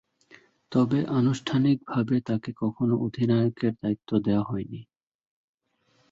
তবে, আনুষ্ঠানিকভাবে তাকে কখনো অধিনায়কের দায়িত্ব দেয়া হয়নি।